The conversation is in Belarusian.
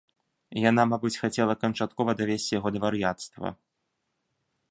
Яна, мабыць, хацела канчаткова давесці яго да вар'яцтва.